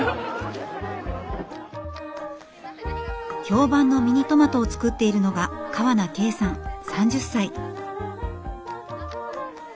評判のミニトマトを作っているのが川名桂さん３０歳。